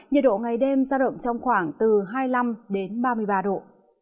nhiệt độ ngày đêm giao động trong khoảng từ hai mươi năm đến ba mươi ba độ